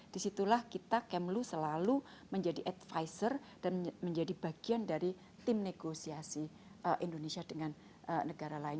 disitulah kita kemlu selalu menjadi advisor dan menjadi bagian dari tim negosiasi indonesia dengan negara lain